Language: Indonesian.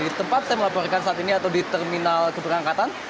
di tempat saya melaporkan saat ini atau di terminal keberangkatan